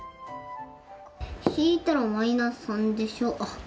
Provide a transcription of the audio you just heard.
引いたらマイナス３でしょ。